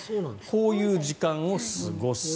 こういう時間を過ごす。